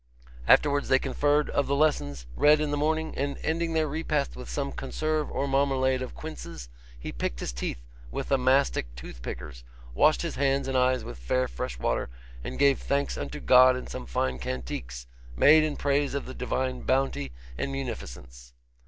Afterwards they conferred of the lessons read in the morning, and, ending their repast with some conserve or marmalade of quinces, he picked his teeth with mastic tooth pickers, washed his hands and eyes with fair fresh water, and gave thanks unto God in some fine cantiques, made in praise of the divine bounty and munificence.